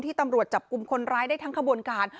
ตำรวจจับกลุ่มคนร้ายได้ทั้งขบวนการ